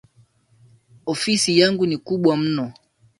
Ofisi yangu ni kubwa mno